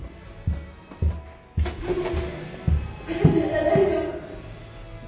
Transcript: でも私なら大丈夫。